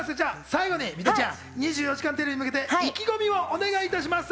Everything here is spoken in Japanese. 最後にミトちゃん、『２４時間テレビ』に向けて意気込みをお願いします。